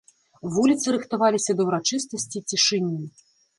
Вуліцы рыхтаваліся да ўрачыстасці цішыні.